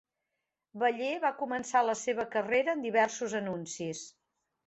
Beller va començar la seva carrera en diversos anuncis.